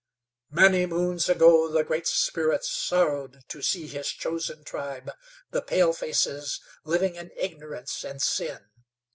"Many moons ago the Great Spirit sorrowed to see His chosen tribe, the palefaces, living in ignorance and sin.